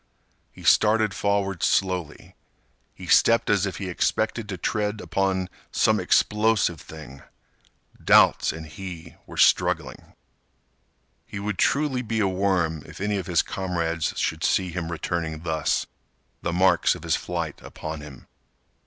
He started forward slowly. He stepped as if he expected to tread upon some explosive thing. Doubts and he were struggling. He would truly be a worm if any of his comrades should see him returning thus, the marks of his flight upon him.